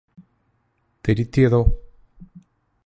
തിരുത്തിയതോ